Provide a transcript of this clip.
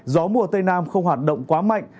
gió mùa tây nam không hoạt động quá mạnh